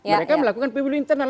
mereka melakukan pemilu internal